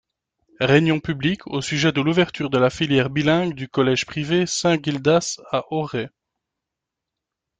Réunion publique au sujet de l’ouverture de la filière bilingue du collège privé Saint Gildas, à Auray.